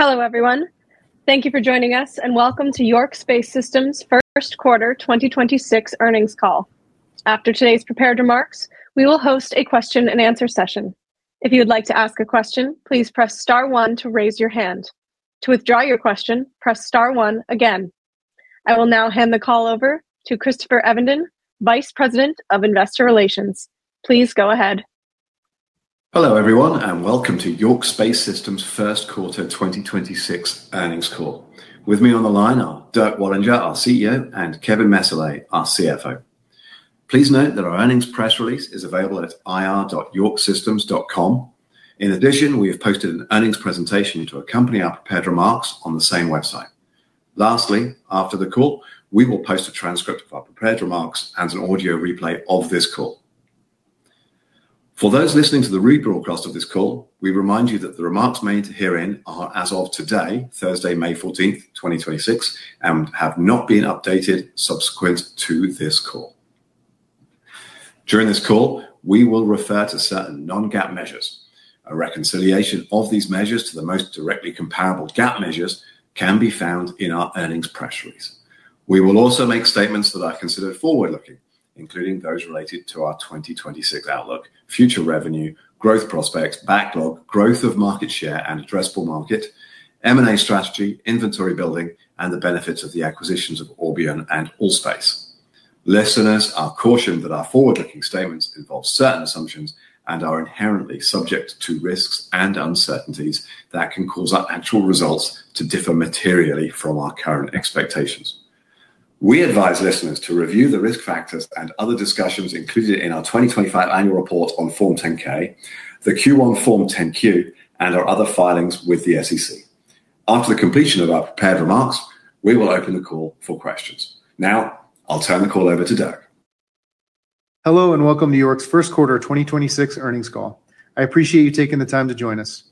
Hello, everyone. Thank you for joining us, and welcome to York Space Systems' Q1 2026 earnings call. After today's prepared remarks, we will host a question and answer session. I will now hand the call over to Christopher Evenden, Vice President of Investor Relations. Please go ahead. Hello, everyone, and welcome to York Space Systems' Q1 2026 earnings call. With me on the line are Dirk Wallinger, our CEO, and Kevin Messerle, our CFO. Please note that our earnings press release is available at ir.yorkspacesystems.com. In addition, we have posted an earnings presentation to accompany our prepared remarks on the same website. Lastly, after the call, we will post a transcript of our prepared remarks and an audio replay of this call. For those listening to the rebroadcast of this call, we remind you that the remarks made herein are as of today, Thursday, 14th May 2026, and have not been updated subsequent to this call. During this call, we will refer to certain non-GAAP measures. A reconciliation of these measures to the most directly comparable GAAP measures can be found in our earnings press release. We will also make statements that are considered forward-looking, including those related to our 2026 outlook, future revenue, growth prospects, backlog, growth of market share and addressable market, M&A strategy, inventory building, and the benefits of the acquisitions of Orbion and ALL.SPACE. Listeners are cautioned that our forward-looking statements involve certain assumptions and are inherently subject to risks and uncertainties that can cause our actual results to differ materially from our current expectations. We advise listeners to review the risk factors and other discussions included in our 2025 annual report on Form 10-K, the Q1 Form 10-Q, and our other filings with the SEC. After the completion of our prepared remarks, we will open the call for questions. Now, I'll turn the call over to Dirk. Hello, welcome to York's Q1 2026 earnings call. I appreciate you taking the time to join us.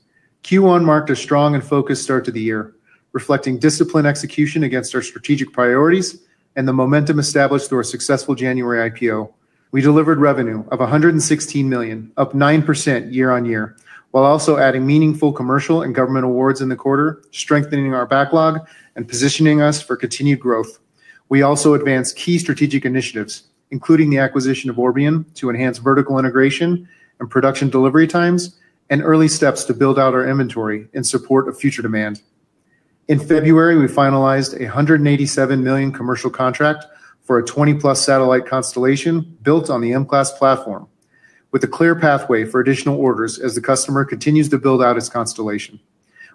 Q1 marked a strong and focused start to the year, reflecting disciplined execution against our strategic priorities and the momentum established through our successful January IPO. We delivered revenue of $116 million, up 9% year-on-year, while also adding meaningful commercial and government awards in the quarter, strengthening our backlog and positioning us for continued growth. We also advanced key strategic initiatives, including the acquisition of Orbion to enhance vertical integration and production delivery times and early steps to build out our inventory in support of future demand. In February, we finalized a $187 million commercial contract for a 20-plus satellite constellation built on the M-CLASS platform with a clear pathway for additional orders as the customer continues to build out its constellation.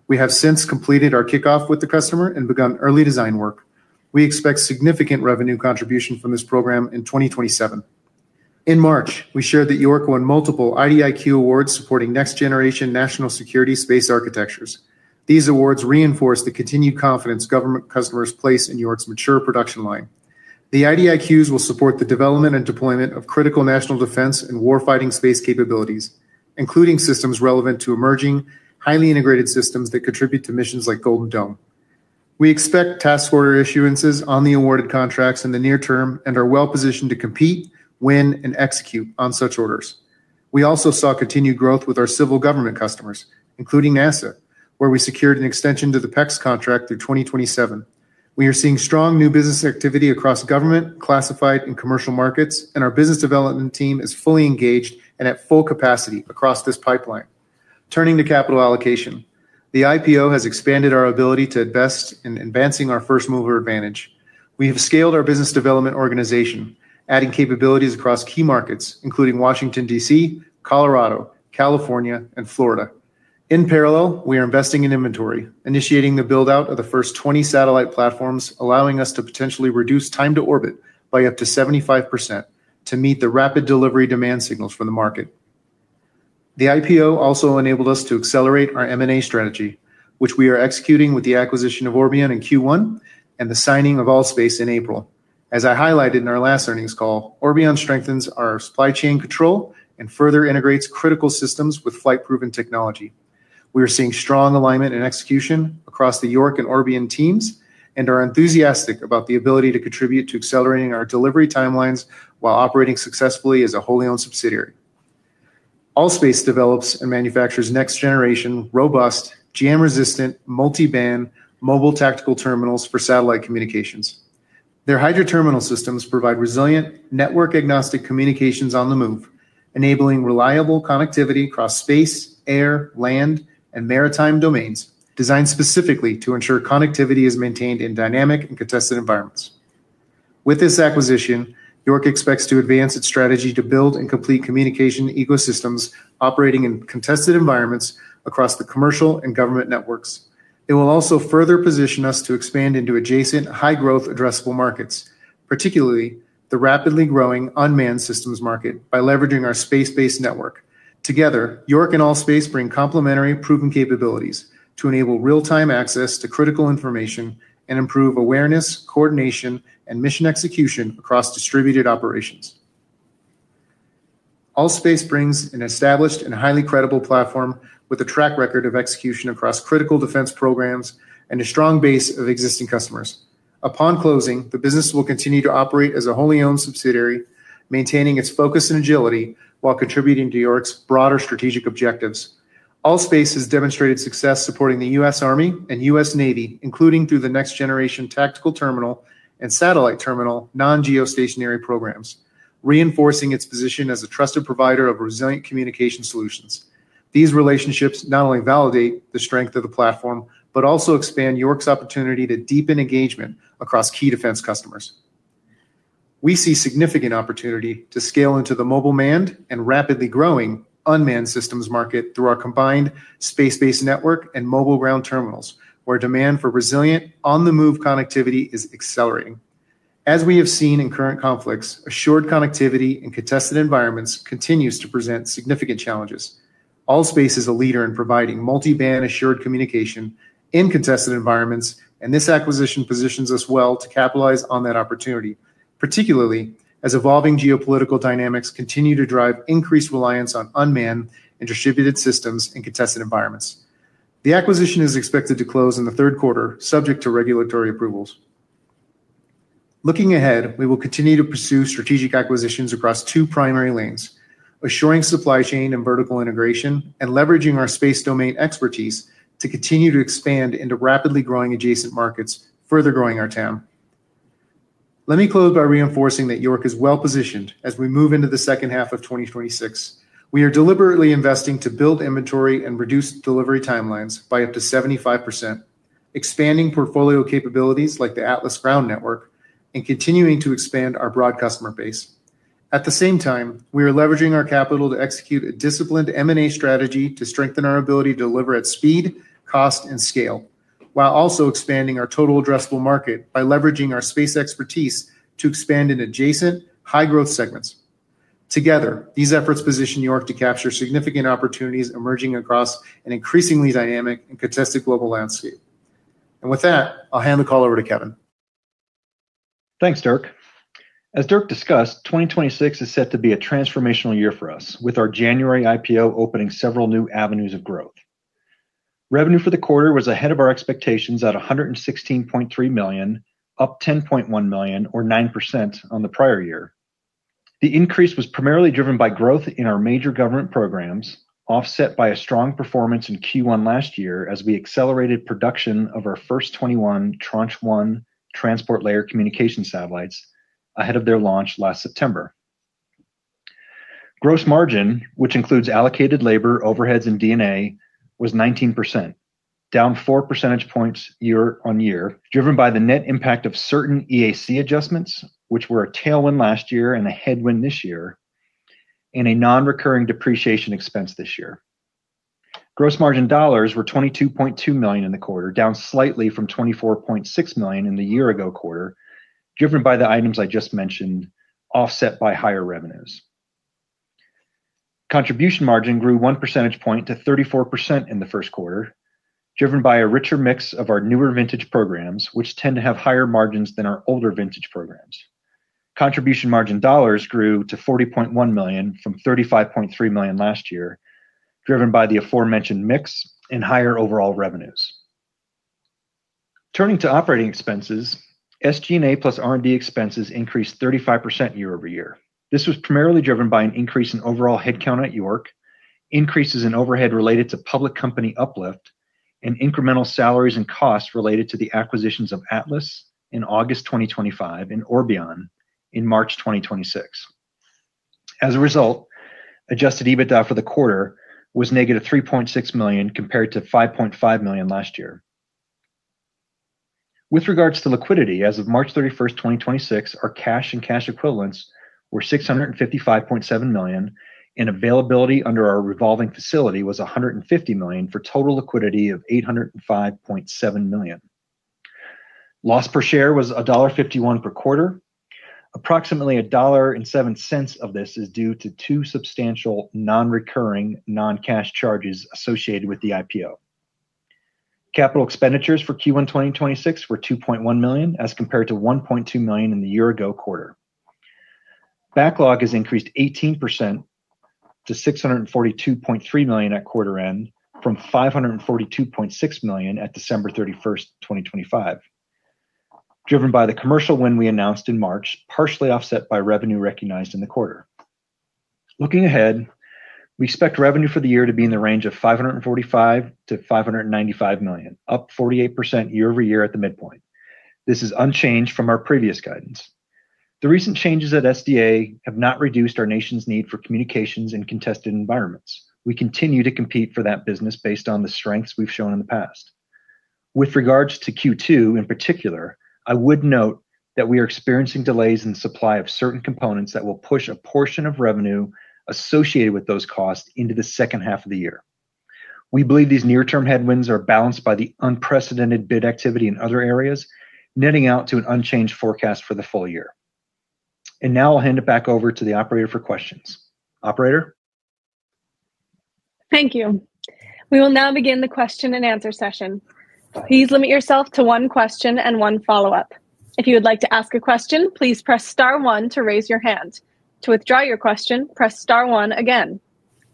We have since completed our kickoff with the customer and begun early design work. We expect significant revenue contribution from this program in 2027. In March, we shared that York won multiple IDIQ awards supporting next-generation national security space architectures. These awards reinforce the continued confidence government customers place in York's mature production line. The IDIQs will support the development and deployment of critical national defense and war-fighting space capabilities, including systems relevant to emerging highly integrated systems that contribute to missions like Golden Dome. We expect task order issuances on the awarded contracts in the near term and are well-positioned to compete, win, and execute on such orders. We also saw continued growth with our civil government customers, including NASA, where we secured an extension to the PEX contract through 2027. We are seeing strong new business activity across government, classified, and commercial markets, our business development team is fully engaged and at full capacity across this pipeline. Turning to capital allocation, the IPO has expanded our ability to invest in advancing our first-mover advantage. We have scaled our business development organization, adding capabilities across key markets, including Washington, D.C., Colorado, California, and Florida. In parallel, we are investing in inventory, initiating the build-out of the first 20 satellite platforms, allowing us to potentially reduce time to orbit by up to 75% to meet the rapid delivery demand signals from the market. The IPO also enabled us to accelerate our M&A strategy, which we are executing with the acquisition of Orbion Space Technology in Q1 and the signing of ALL.SPACE in April. As I highlighted in our last earnings call, Orbion strengthens our supply chain control and further integrates critical systems with flight-proven technology. We are seeing strong alignment and execution across the York and Orbion teams and are enthusiastic about the ability to contribute to accelerating our delivery timelines while operating successfully as a wholly-owned subsidiary. ALL.SPACE develops and manufactures next-generation, robust, jam-resistant, multi-band mobile tactical terminals for satellite communications. Their Hydra Terminal systems provide resilient network-agnostic communications on the move, enabling reliable connectivity across space, air, land, and maritime domains designed specifically to ensure connectivity is maintained in dynamic and contested environments. With this acquisition, York expects to advance its strategy to build and complete communication ecosystems operating in contested environments across the commercial and government networks. It will also further position us to expand into adjacent high-growth addressable markets, particularly the rapidly growing unmanned systems market, by leveraging our space-based network. Together, York and ALL.SPACE bring complementary proven capabilities to enable real-time access to critical information and improve awareness, coordination, and mission execution across distributed operations. ALL.SPACE brings an established and highly credible platform with a track record of execution across critical defense programs and a strong base of existing customers. Upon closing, the business will continue to operate as a wholly-owned subsidiary, maintaining its focus and agility while contributing to York's broader strategic objectives. ALL.SPACE has demonstrated success supporting the U.S. Army and U.S. Navy, including through the Next Generation Tactical Terminal and satellite terminal non-geostationary programs, reinforcing its position as a trusted provider of resilient communication solutions. These relationships not only validate the strength of the platform, but also expand York's opportunity to deepen engagement across key defense customers. We see significant opportunity to scale into the mobile manned and rapidly growing unmanned systems market through our combined space-based network and mobile ground terminals, where demand for resilient on-the-move connectivity is accelerating. As we have seen in current conflicts, assured connectivity in contested environments continues to present significant challenges. ALL.SPACE is a leader in providing multi-band assured communication in contested environments. This acquisition positions us well to capitalize on that opportunity, particularly as evolving geopolitical dynamics continue to drive increased reliance on unmanned and distributed systems in contested environments. The acquisition is expected to close in the third quarter, subject to regulatory approvals. Looking ahead, we will continue to pursue strategic acquisitions across 2 primary lanes: assuring supply chain and vertical integration, and leveraging our space domain expertise to continue to expand into rapidly growing adjacent markets, further growing our TAM. Let me close by reinforcing that York is well-positioned as we move into the H2 of 2026. We are deliberately investing to build inventory and reduce delivery timelines by up to 75%, expanding portfolio capabilities like the ATLAS ground network, and continuing to expand our broad customer base. At the same time, we are leveraging our capital to execute a disciplined M&A strategy to strengthen our ability to deliver at speed, cost, and scale, while also expanding our total addressable market by leveraging our space expertise to expand in adjacent high-growth segments. Together, these efforts position York to capture significant opportunities emerging across an increasingly dynamic and contested global landscape. With that, I'll hand the call over to Kevin. Thanks, Dirk. As Dirk discussed, 2026 is set to be a transformational year for us, with our January IPO opening several new avenues of growth. Revenue for the quarter was ahead of our expectations at $116.3 million, up $10.1 million or 9% on the prior year. The increase was primarily driven by growth in our major government programs, offset by a strong performance in Q1 last year as we accelerated production of our first 21 Tranche 1 Transport Layer communication satellites ahead of their launch last September. Gross margin, which includes allocated labor, overheads, and D&A, was 19%, down 4 percentage points year on year, driven by the net impact of certain EAC adjustments, which were a tailwind last year and a headwind this year, and a non-recurring depreciation expense this year. Gross margin dollars were $22.2 million in the quarter, down slightly from $24.6 million in the year-ago quarter, driven by the items I just mentioned, offset by higher revenues. Contribution margin grew 1 percentage point to 34% in the Q1, driven by a richer mix of our newer vintage programs, which tend to have higher margins than our older vintage programs. Contribution margin dollars grew to $40.1 million from $35.3 million last year, driven by the aforementioned mix and higher overall revenues. Turning to operating expenses, SG&A plus R&D expenses increased 35% year-over-year. This was primarily driven by an increase in overall headcount at York, increases in overhead related to public company uplift, and incremental salaries and costs related to the acquisitions of ATLAS in August 2025 and Orbion in March 2026. As a result, adjusted EBITDA for the quarter was negative $3.6 million compared to $5.5 million last year. With regards to liquidity, as of 31 March 2026, our cash and cash equivalents were $655.7 million, and availability under our revolving facility was $150 million for total liquidity of $805.7 million. Loss per share was $1.51 per quarter. Approximately $1.07 of this is due to two substantial non-recurring non-cash charges associated with the IPO. Capital expenditures for Q1 2026 were $2.1 million as compared to $1.2 million in the year ago quarter. Backlog has increased 18% to $642.3 million at quarter end from $542.6 million at 31 December 2025, driven by the commercial win we announced in March, partially offset by revenue recognized in the quarter. Looking ahead, we expect revenue for the year to be in the range of $545 million to $595 million, up 48% year-over-year at the midpoint. This is unchanged from our previous guidance. The recent changes at SDA have not reduced our nation's need for communications in contested environments. We continue to compete for that business based on the strengths we've shown in the past. With regards to Q2 in particular, I would note that we are experiencing delays in supply of certain components that will push a portion of revenue associated with those costs into the H2 of the year. We believe these near-term headwinds are balanced by the unprecedented bid activity in other areas, netting out to an unchanged forecast for the full year. Now I'll hand it back over to the operator for questions. Operator? Thank you. We will now begin the question and answer session. Please limit yourself to one question and one follow-up. If you would like to ask a question, please press star one to raise your hand. To withdraw your question, press star one again.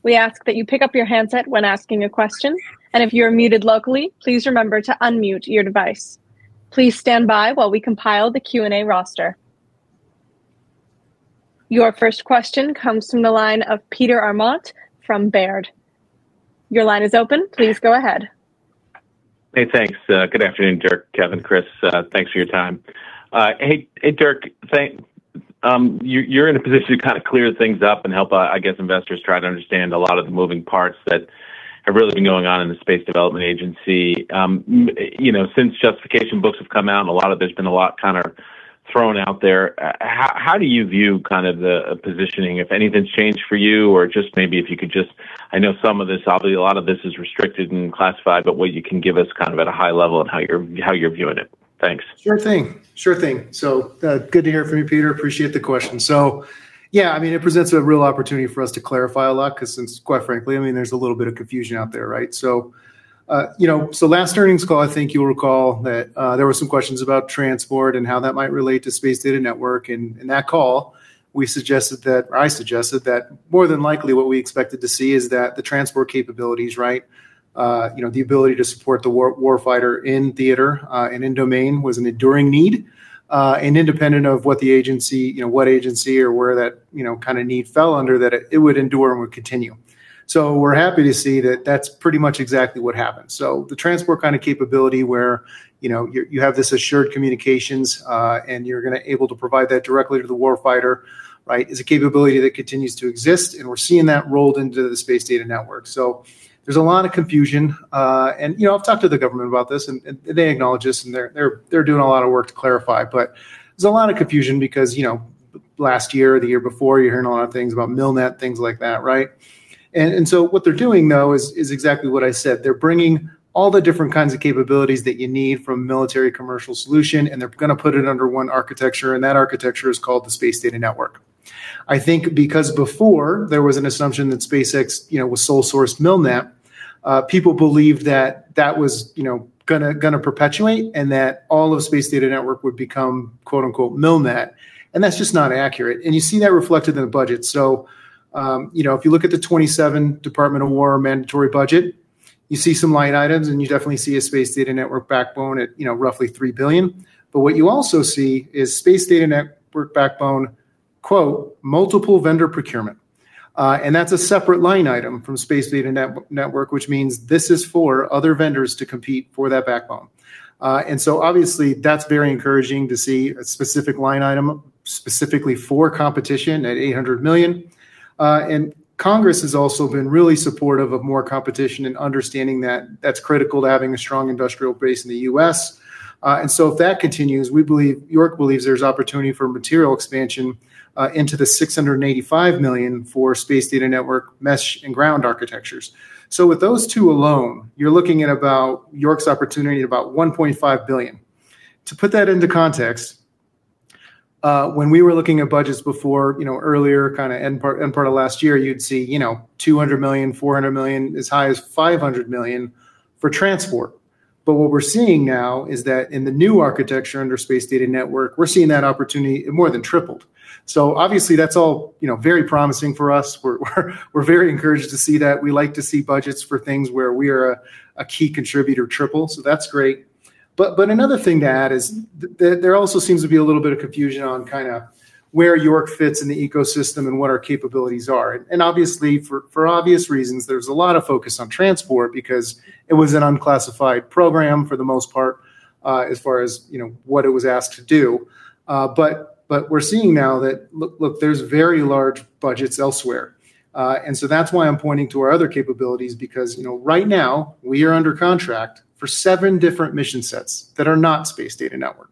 We ask that you pick up your handset when asking a question, and if you're muted locally, please remember to unmute your device. Please stand by while we compile the Q&A roster. Your first question comes from the line of Peter Arment from Baird. Your line is open. Please go ahead. Hey, thanks. Good afternoon, Dirk, Kevin, Chris. Thanks for your time. Hey, hey, Dirk. Thank you're in a position to kind of clear things up and help, I guess, investors try to understand a lot of the moving parts that have really been going on in the Space Development Agency. You know, since justification books have come out and There's been a lot kind of thrown out there, how do you view kind of the positioning, if anything's changed for you? Just maybe if you could just. I know some of this, obviously a lot of this is restricted and classified, but what you can give us kind of at a high level on how you're viewing it. Thanks. Sure thing. Sure thing. Good to hear from you, Peter. Appreciate the question. Yeah, I mean, it presents a real opportunity for us to clarify a lot, 'cause since, quite frankly, I mean, there's a little bit of confusion out there, right? You know, last earnings call, I think you'll recall that there were some questions about Transport Layer and how that might relate to Space Data Network. In that call, we suggested that, or I suggested that more than likely what we expected to see is that the Transport Layer capabilities, right, you know, the ability to support the warfighter in theater and in domain was an enduring need. Independent of what the agency, you know, what agency or where that, you know, kind of need fell under that, it would endure and would continue. We're happy to see that that's pretty much exactly what happened. The transport kind of capability where, you know, you have this assured communications, and you're gonna able to provide that directly to the warfighter, right? Is a capability that continues to exist, and we're seeing that rolled into the Space Data Network. There's a lot of confusion. You know, I've talked to the government about this and they acknowledge this, and they're doing a lot of work to clarify. There's a lot of confusion because, you know, last year or the year before, you're hearing a lot of things about MILNET, things like that, right? What they're doing though is exactly what I said. They're bringing all the different kinds of capabilities that you need from military commercial solution, and they're gonna put it under one architecture, and that architecture is called the Space Data Network. I think because before there was an assumption that SpaceX, you know, was sole source MILNET, people believed that that was, you know, gonna perpetuate and that all of Space Data Network would become, quote-unquote, "MILNET," and that's just not accurate. You see that reflected in the budget. You know, if you look at the 2027 Department of War mandatory budget, you see some line items, and you definitely see a Space Data Network backbone at, you know, roughly $3 billion. What you also see is Space Data Network backbone, quote, "multiple vendor procurement." That's a separate line item from Space Data Network, which means this is for other vendors to compete for that backbone. Obviously, that's very encouraging to see a specific line item specifically for competition at $800 million. Congress has also been really supportive of more competition and understanding that that's critical to having a strong industrial base in the U.S. If that continues, we believe, York believes there's opportunity for material expansion into the $685 million for Space Data Network mesh and ground architectures. With those two alone, you're looking at about, York's opportunity at about $1.5 billion. To put that into context, when we were looking at budgets before, you know, earlier kind of end part of last year, you'd see, you know, $200 million, $400 million, as high as $500 million for transport. What we're seeing now is that in the new architecture under Space Data Network, we're seeing that opportunity more than tripled. Obviously that's all, you know, very promising for us. We're very encouraged to see that. We like to see budgets for things where we are a key contributor triple, so that's great. Another thing to add is there also seems to be a little bit of confusion on kind of where York fits in the ecosystem and what our capabilities are. Obviously, for obvious reasons, there's a lot of focus on Transport because it was an unclassified program for the most part, as far as, you know, what it was asked to do. But we're seeing now that, there's very large budgets elsewhere. That's why I'm pointing to our other capabilities because, you know, right now we are under contract for seven different mission sets that are not Space Data Network.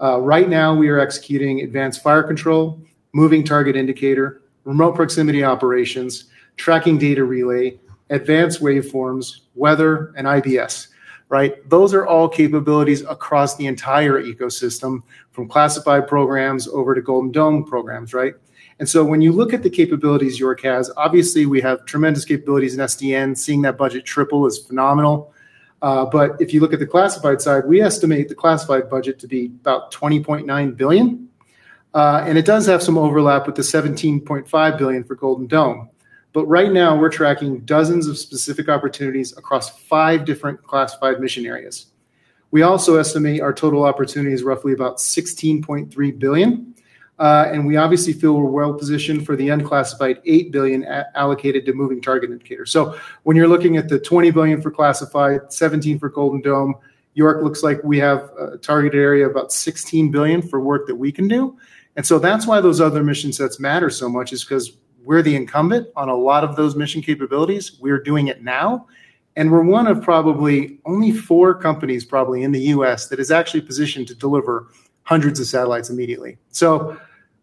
Right now we are executing advanced fire control, Moving Target Indicator, remote proximity operations, tracking data relay, advanced waveforms, weather, and IDS, right? Those are all capabilities across the entire ecosystem, from classified programs over to Golden Dome programs, right? When you look at the capabilities York has, obviously we have tremendous capabilities in SDN. Seeing that budget triple is phenomenal. If you look at the classified side, we estimate the classified budget to be about $20.9 billion. It does have some overlap with the $17.5 billion for Golden Dome. Right now, we're tracking dozens of specific opportunities across 5 different classified mission areas. We also estimate our total opportunity is roughly about $16.3 billion. We obviously feel we're well positioned for the unclassified $8 billion allocated to Moving Target Indication. When you're looking at the $20 billion for classified, $17 billion for Golden Dome, York looks like we have a targeted area of about $16 billion for work that we can do. That's why those other mission sets matter so much, is because we're the incumbent on a lot of those mission capabilities. We're doing it now, and we're one of probably only four companies probably in the U.S. that is actually positioned to deliver hundreds of satellites immediately.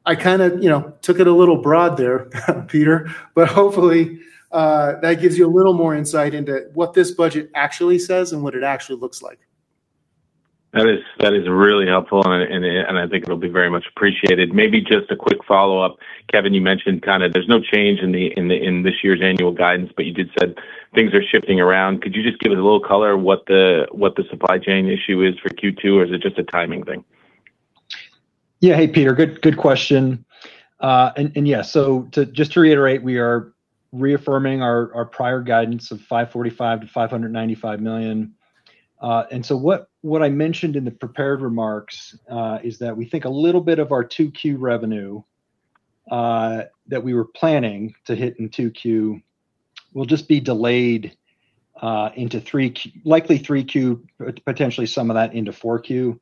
I kind of, you know, took it a little broad there, Peter, but hopefully, that gives you a little more insight into what this budget actually says and what it actually looks like. That is really helpful and I think it'll be very much appreciated. Maybe just a quick follow-up. Kevin, you mentioned kind of there's no change in this year's annual guidance, but you did said things are shifting around. Could you just give it a little color what the supply chain issue is for Q2 or is it just a timing thing? Yeah. Hey, Peter. Good, good question. Yeah, so just to reiterate, we are reaffirming our prior guidance of $545 million to $595 million. What I mentioned in the prepared remarks is that we think a little bit of our Q2 revenue that we were planning to hit in Q2 will just be delayed into Q3, likely Q3, potentially some of that into Q4.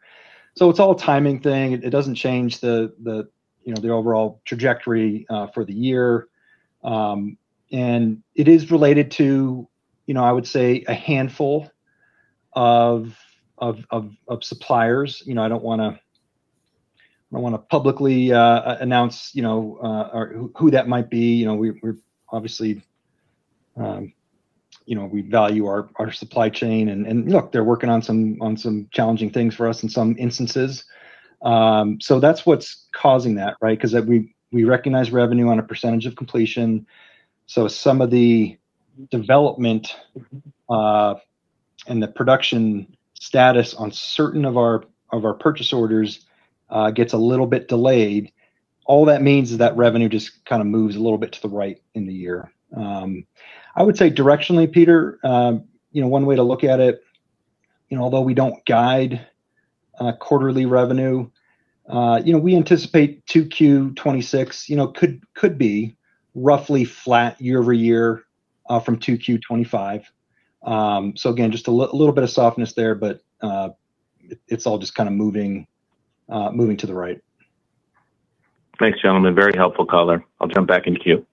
It's all a timing thing. It doesn't change the, you know, the overall trajectory for the year. It is related to, you know, I would say a handful of suppliers. You know, I don't wanna, I don't wanna publicly announce, you know, or who that might be. You know, we're obviously, you know, we value our supply chain. Look, they're working on some challenging things for us in some instances. That's what's causing that, right? 'Cause we recognize revenue on a percentage of completion. Some of the development and the production status on certain of our purchase orders gets a little bit delayed. All that means is that revenue just kind of moves a little bit to the right in the year. I would say directionally, Peter, you know, one way to look at it, you know, although we don't guide quarterly revenue, you know, we anticipate Q2 2026 could be roughly flat year-over-year from Q2 2025. Again, just a little bit of softness there, but it's all just kind of moving to the right. Thanks, gentlemen. Very helpful color. I'll jump back in queue.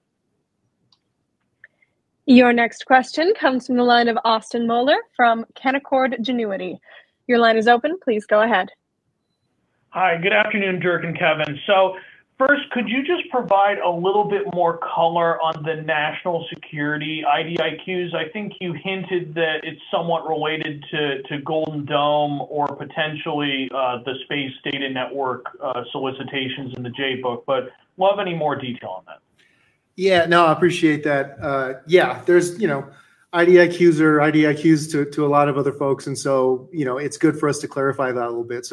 Your next question comes from the line of Austin Moeller from Canaccord Genuity. Your line is open. Please go ahead. Hi, good afternoon, Dirk and Kevin. First, could you just provide a little bit more color on the national security IDIQs? I think you hinted that it's somewhat related to Golden Dome or potentially, the Space Data Network solicitations in the J book. Would love any more detail on that. Yeah, no, I appreciate that. Yeah, there's, you know, IDIQs are to a lot of other folks, you know, it's good for us to clarify that a little bit.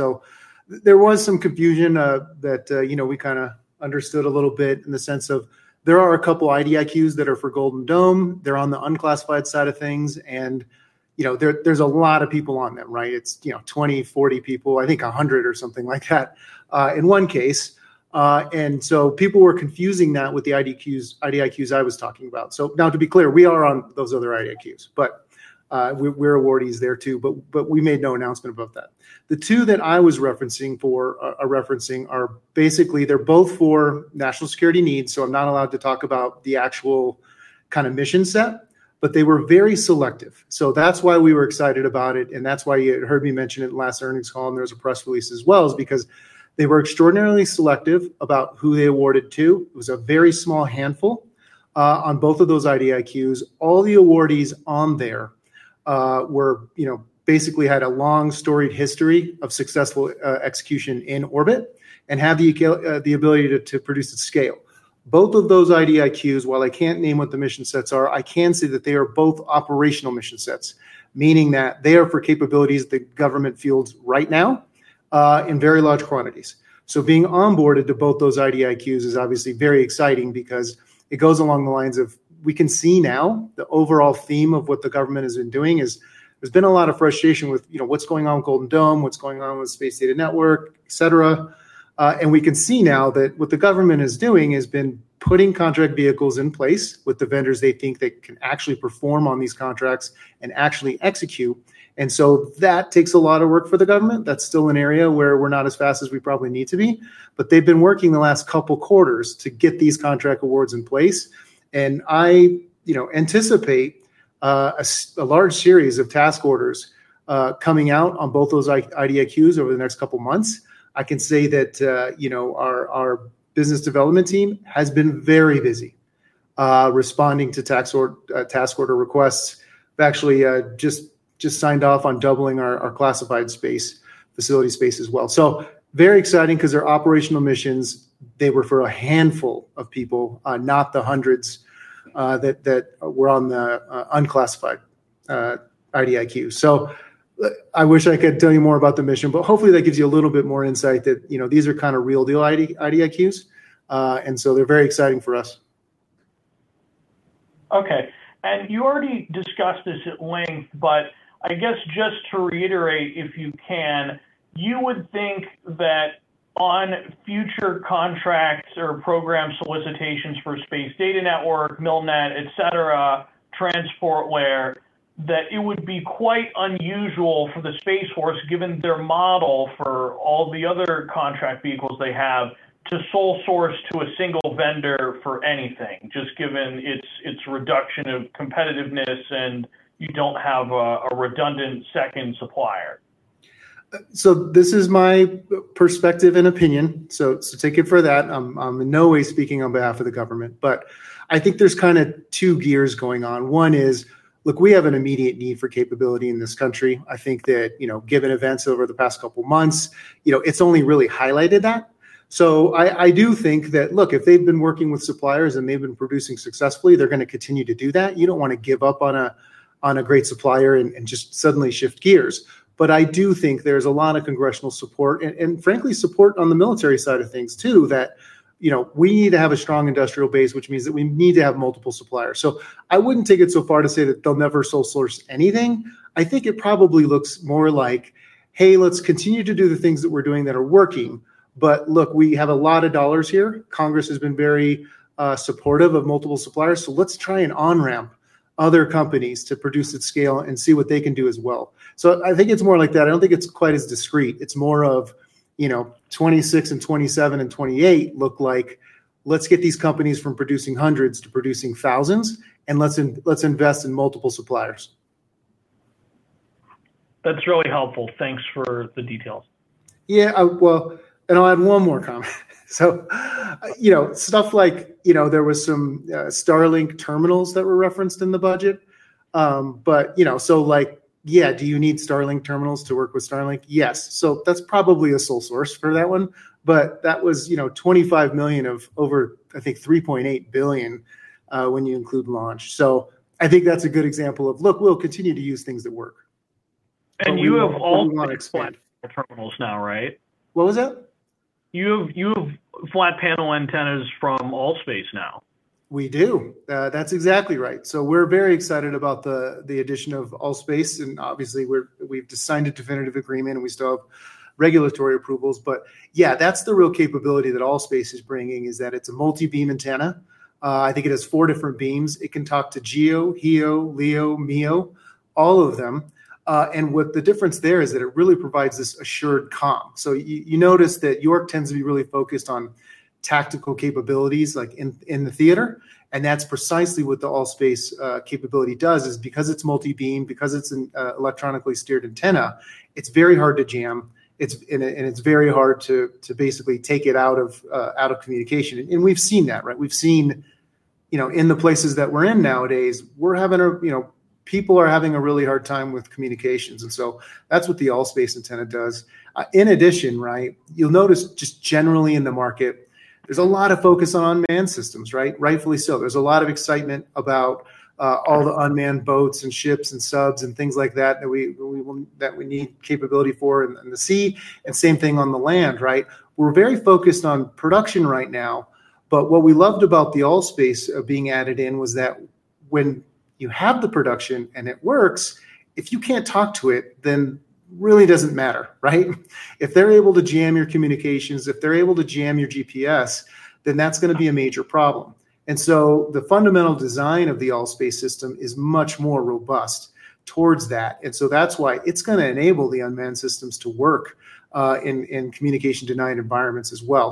There was some confusion that, you know, we kinda understood a little bit in the sense of there are a couple IDIQs that are for Golden Dome. They're on the unclassified side of things, you know, there's a lot of people on them, right? It's, you know, 20, 40 people, I think 100 or something like that, in one case. People were confusing that with the IDIQs I was talking about. Now to be clear, we are on those other IDIQs, we're awardees there too, but we made no announcement about that. The two that I was referencing are basically they're both for national security needs, so I'm not allowed to talk about the actual kind of mission set, but they were very selective. That's why we were excited about it, and that's why you heard me mention it last earnings call, and there was a press release as well, is because they were extraordinarily selective about who they awarded to. It was a very small handful on both of those IDIQs. All the awardees on there were, you know, basically had a long storied history of successful execution in orbit and have the ability to produce at scale. Both of those IDIQs, while I can't name what the mission sets are, I can say that they are both operational mission sets, meaning that they are for capabilities the government fields right now, in very large quantities. Being onboarded to both those IDIQs is obviously very exciting because it goes along the lines of we can see now the overall theme of what the government has been doing is there's been a lot of frustration with, you know, what's going on with Golden Dome, what's going on with Space Data Network, et cetera. We can see now that what the government is doing has been putting contract vehicles in place with the vendors they think that can actually perform on these contracts and actually execute. That takes a lot of work for the government. That's still an area where we're not as fast as we probably need to be. They've been working the last couple quarters to get these contract awards in place. I, you know, anticipate a large series of task orders coming out on both those IDIQs over the next couple months. I can say that, you know, our business development team has been very busy responding to task order requests. We've actually signed off on doubling our classified space, facility space as well. Very exciting because they're operational missions. They were for a handful of people, not the hundreds that were on the unclassified IDIQ. I wish I could tell you more about the mission, but hopefully that gives you a little bit more insight that, you know, these are kind of real deal IDIQs. They're very exciting for us. Okay. You already discussed this at length, I guess just to reiterate, if you can, you would think that on future contracts or program solicitations for Space Data Network, MILNET, et cetera, Transport Layer, that it would be quite unusual for the Space Force, given their model for all the other contract vehicles they have, to sole source to a single vendor for anything, just given its reduction of competitiveness and you don't have a redundant second supplier. This is my perspective and opinion, so take it for that. I'm in no way speaking on behalf of the government. I think there's kind of two gears going on. One is. Look, we have an immediate need for capability in this country. I think that, you know, given events over the past couple of months, you know, it's only really highlighted that. I do think that, look, if they've been working with suppliers and they've been producing successfully, they're gonna continue to do that. You don't wanna give up on a great supplier and just suddenly shift gears. I do think there's a lot of congressional support and frankly support on the military side of things too that, you know, we need to have a strong industrial base, which means that we need to have multiple suppliers. I wouldn't take it so far to say that they'll never sole source anything. I think it probably looks more like, "Hey, let's continue to do the things that we're doing that are working. Look, we have a lot of dollars here. Congress has been very supportive of multiple suppliers, so let's try and on-ramp other companies to produce at scale and see what they can do as well." I think it's more like that. I don't think it's quite as discrete. It's more of, you know, 2026 and 2027 and 2028 look like, "Let's get these companies from producing hundreds to producing thousands, and let's invest in multiple suppliers. That's really helpful. Thanks for the details. Yeah. Well, I'll add one more comment. You know, stuff like, you know, there was some Starlink terminals that were referenced in the budget. You know, like, yeah, do you need Starlink terminals to work with Starlink? Yes. That's probably a sole source for that one. That was, you know, $25 million of over, I think $3.8 billion when you include launch. I think that's a good example of, look, we'll continue to use things that work. We will only want to expand. You have ALL.SPACE terminals now, right? What was that? You have flat panel antennas from ALL.SPACE now. We do. That's exactly right. We're very excited about the addition of ALL.SPACE, and obviously we've signed a definitive agreement, and we still have regulatory approvals. Yeah, that's the real capability that ALL.SPACE is bringing, is that it's a multi-beam antenna. I think it has 4 different beams. It can talk to GEO, HEO, LEO, MEO, all of them. What the difference there is that it really provides this assured comm. You notice that York tends to be really focused on tactical capabilities, like in the theater, and that's precisely what the ALL.SPACE capability does, is because it's multi-beam, because it's an electronically steered antenna, it's very hard to jam. It's and it's very hard to basically take it out of communication. We've seen that, right? We've seen, you know, in the places that we're in nowadays, we're having a, you know, people are having a really hard time with communications, that's what the ALL.SPACE antenna does. In addition, right, you'll notice just generally in the market, there's a lot of focus on unmanned systems, right? Rightfully so. There's a lot of excitement about all the unmanned boats and ships and subs and things like that we want, that we need capability for in the sea, and same thing on the land, right? We're very focused on production right now, what we loved about the ALL.SPACE being added in was that when you have the production and it works, if you can't talk to it, then really it doesn't matter, right? If they're able to jam your communications, if they're able to jam your GPS, then that's gonna be a major problem. The fundamental design of the ALL.SPACE system is much more robust towards that. That's why it's gonna enable the unmanned systems to work in communication denied environments as well.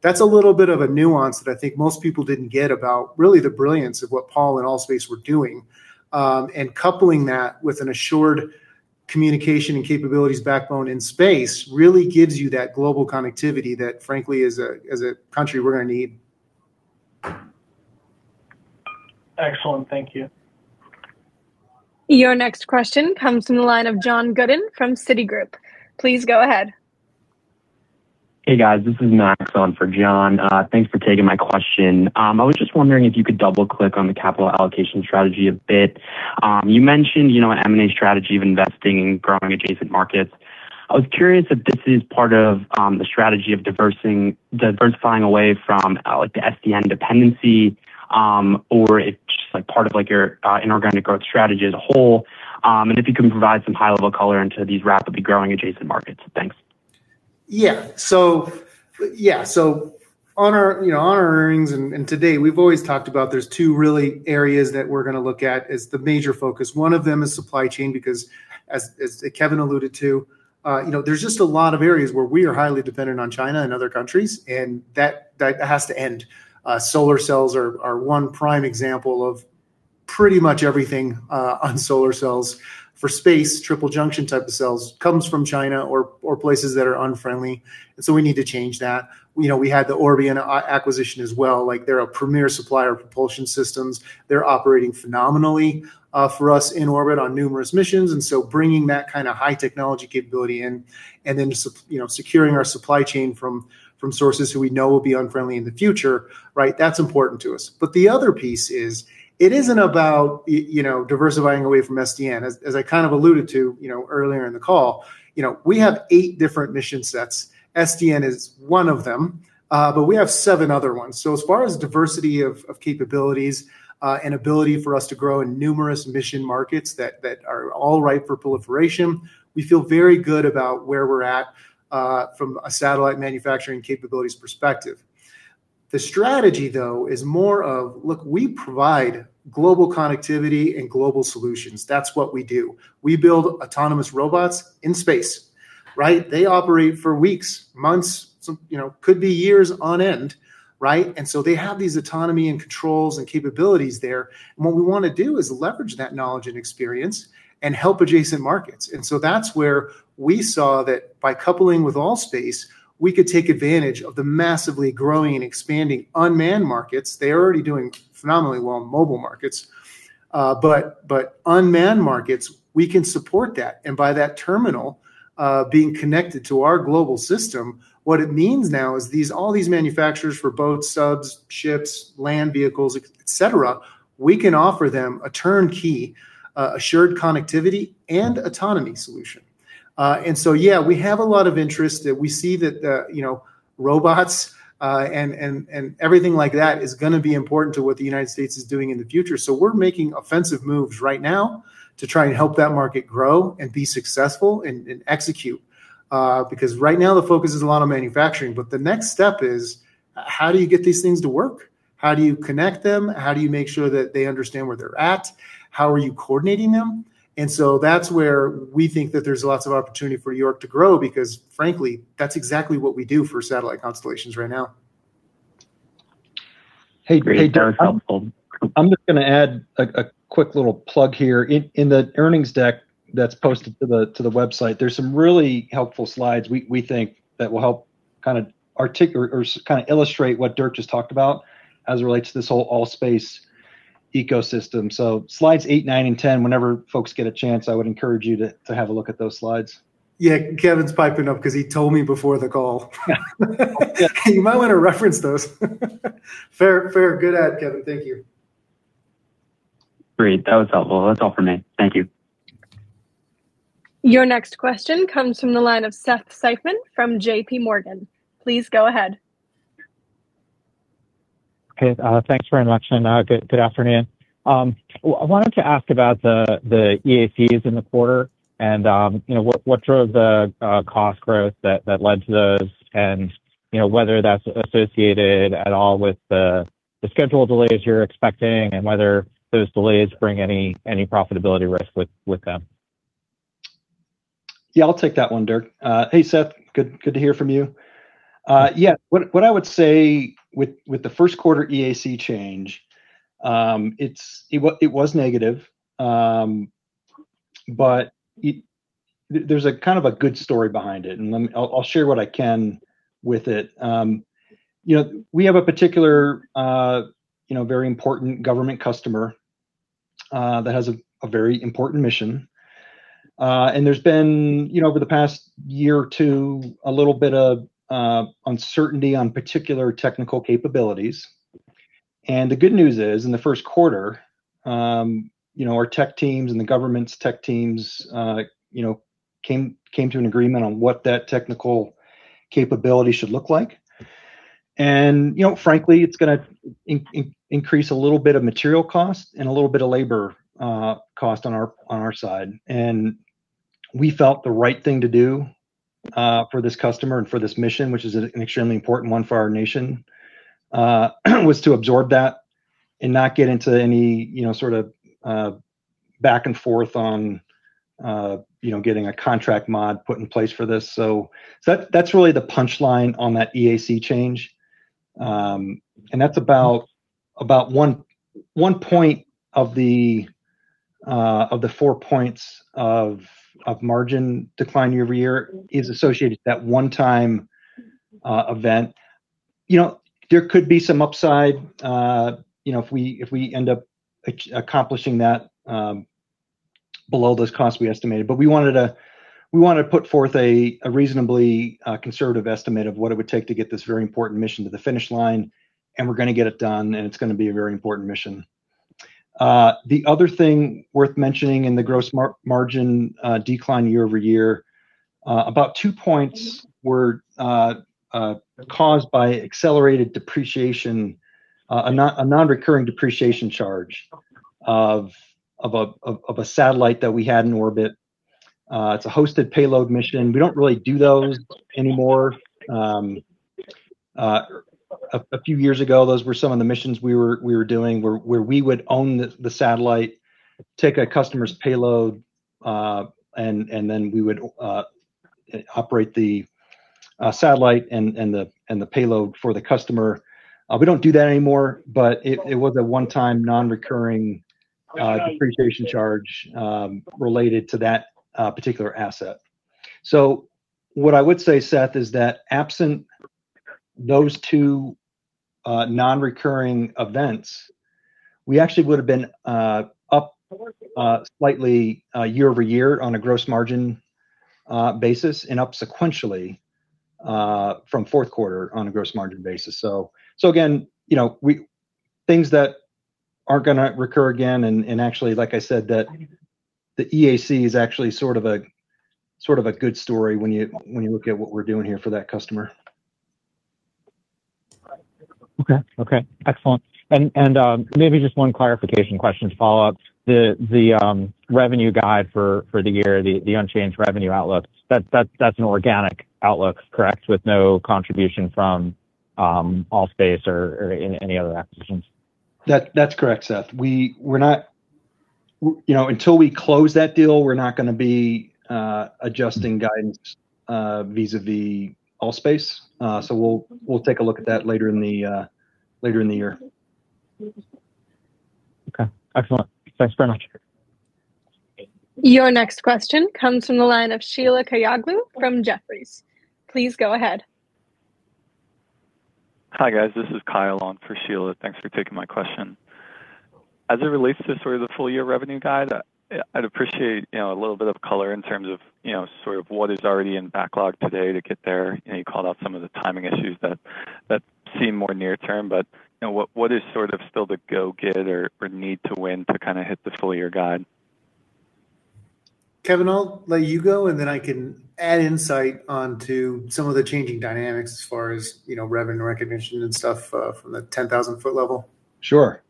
That's a little bit of a nuance that I think most people didn't get about really the brilliance of what Paul and ALL.SPACE were doing. Coupling that with an assured communication and capabilities backbone in space really gives you that global connectivity that frankly as a, as a country we're gonna need. Excellent. Thank you. Your next question comes from the line of John Godyn from Citigroup. Please go ahead. Hey, guys. This is Max on for John. Thanks for taking my question. I was just wondering if you could double-click on the capital allocation strategy a bit. You mentioned, you know, an M&A strategy of investing in growing adjacent markets. I was curious if this is part of the strategy of diversifying away from like the SDN dependency, or it's just like part of like your inorganic growth strategy as a whole. If you can provide some high level color into these rapidly growing adjacent markets. Thanks. On our, you know, on our earnings and today, we've always talked about there's two really areas that we're gonna look at as the major focus. One of them is supply chain because as Kevin alluded to, you know, there's just a lot of areas where we are highly dependent on China and other countries, and that has to end. Solar cells are one prime example of pretty much everything on solar cells. For space, triple junction type of cells comes from China or places that are unfriendly, and so we need to change that. You know, we had the Orbion acquisition as well. Like, they're a premier supplier of propulsion systems. They're operating phenomenally for us in orbit on numerous missions. Bringing that kind of high technology capability in, then you know, securing our supply chain from sources who we know will be unfriendly in the future, right? That's important to us. The other piece is, it isn't about you know, diversifying away from SDN. As I kind of alluded to, you know, earlier in the call, you know, we have 8 different mission sets. SDN is 1 of them. But we have 7 other ones. As far as diversity of capabilities, and ability for us to grow in numerous mission markets that are all ripe for proliferation, we feel very good about where we're at from a satellite manufacturing capabilities perspective. The strategy though is more of, look, we provide global connectivity and global solutions. That's what we do. We build autonomous robots in space, right? They operate for weeks, months, some, you know, could be years on end, right? They have these autonomy and controls and capabilities there, and what we wanna do is leverage that knowledge and experience and help adjacent markets. That's where we saw that by coupling with ALL.SPACE, we could take advantage of the massively growing and expanding unmanned markets. They are already doing phenomenally well in mobile markets. But unmanned markets, we can support that. By that terminal, being connected to our global system, what it means now is these, all these manufacturers for boats, subs, ships, land vehicles, et cetera, we can offer them a turnkey, assured connectivity and autonomy solution. Yeah, we have a lot of interest that we see that, you know, robots, and everything like that is gonna be important to what the United States is doing in the future. We're making offensive moves right now to try and help that market grow and be successful and execute. Because right now the focus is a lot on manufacturing. The next step is, how do you get these things to work? How do you connect them? How do you make sure that they understand where they're at? How are you coordinating them? That's where we think that there's lots of opportunity for York to grow because frankly, that's exactly what we do for satellite constellations right now. Hey, Dirk. Great. That was helpful. I'm just gonna add a quick little plug here. In the earnings deck that's posted to the website, there's some really helpful slides we think that will help illustrate what Dirk just talked about as it relates to this whole ALL.SPACE ecosystem. Slides eight, nine, and 10, whenever folks get a chance, I would encourage you to have a look at those slides. Kevin's piping up 'cause he told me before the call. Yeah. You might wanna reference those." Fair. Fair. Good add, Kevin. Thank you. Great. That was helpful. That is all for me. Thank you. Your next question comes from the line of Seth Seifman from JPMorgan. Please go ahead. Okay. Thanks very much, and good afternoon. I wanted to ask about the EACs in the quarter and, you know, what drove the cost growth that led to those, and, you know, whether that's associated at all with the schedule delays you're expecting and whether those delays bring any profitability risk with them. Yeah, I'll take that one, Dirk. Hey, Seth. Good to hear from you. Yeah. What I would say with the first quarter EAC change, it was negative. There's a kind of a good story behind it, and let me I'll share what I can with it. You know, we have a particular, you know, very important government customer that has a very important mission. There's been, you know, over the past year or two, a little bit of uncertainty on particular technical capabilities. The good news is, in the Q1, you know, our tech teams and the government's tech teams, you know, came to an agreement on what that technical capability should look like. You know, frankly, it's gonna increase a little bit of material cost and a little bit of labor cost on our side. We felt the right thing to do for this customer and for this mission, which is an extremely important one for our nation, was to absorb that and not get into any, you know, sort of back and forth on, you know, getting a contract mod put in place for this. That's really the punchline on that EAC change. That's about 1 point of the 4 points of margin decline year-over-year is associated to that one-time event. You know, there could be some upside, you know, if we end up accomplishing that below those costs we estimated. We wanted to put forth a reasonably conservative estimate of what it would take to get this very important mission to the finish line, and we're gonna get it done, and it's gonna be a very important mission. The other thing worth mentioning in the gross margin decline year over year, about 2 points were caused by accelerated depreciation, a non-recurring depreciation charge of a satellite that we had in orbit. It's a hosted payload mission. We don't really do those anymore. A few years ago, those were some of the missions we were doing where we would own the satellite, take a customer's payload, and then we would operate the satellite and the payload for the customer. We don't do that anymore, but it was a one-time non-recurring depreciation charge related to that particular asset. What I would say, Seth, is that absent those 2 non-recurring events, we actually would've been up slightly year-over-year on a gross margin basis and up sequentially from Q4 on a gross margin basis. Again, you know, we things that aren't gonna recur again and actually, like I said, that the EAC is actually sort of a good story when you, when you look at what we're doing here for that customer. Okay. Okay. Excellent. Maybe just one clarification question to follow up. The revenue guide for the year, the unchanged revenue outlook, that's an organic outlook, correct? With no contribution from ALL.SPACE or any other acquisitions. That's correct, Seth. We're not you know, until we close that deal, we're not gonna be adjusting guidance vis-a-vis ALL.SPACE. We'll take a look at that later in the year. Okay. Excellent. Thanks very much. Your next question comes from the line of Sheila Kahyaoglu from Jefferies. Please go ahead. Hi, guys. This is Kyle on for Sheila. Thanks for taking my question. As it relates to sort of the full year revenue guide, yeah, I'd appreciate, you know, a little bit of color in terms of, you know, sort of what is already in backlog today to get there. You know, you called out some of the timing issues that seemed more near term, but, you know, what is sort of still the go-get or need to win to kind of hit the full year guide? Kevin, I'll let you go, and then I can add insight onto some of the changing dynamics as far as, you know, revenue recognition and stuff, from the 10,000-foot level. Sure.